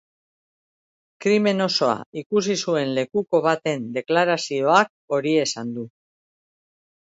Krimen osoa ikusi zuen lekuko baten deklarazioak hori esan du.